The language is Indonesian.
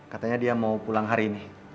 katanya dia mau pulang hari ini